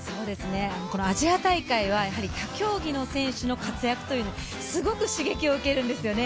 アジア大会はほかの競技の選手の活躍というのにすごく刺激を受けるんですよね。